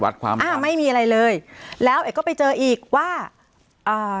ความอ่าไม่มีอะไรเลยแล้วเอกก็ไปเจออีกว่าอ่า